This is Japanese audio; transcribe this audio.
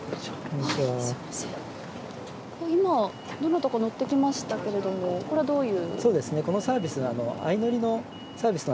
今、どなたか乗ってきましたけれど、これはどういう？